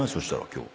今日。